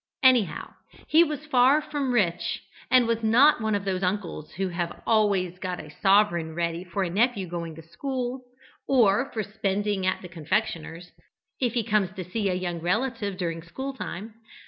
Anyhow, he was far from rich, and was not one of those uncles who have always got a sovereign ready for a nephew going to school, or for spending at the confectioner's, if he comes to see a young relative during school time.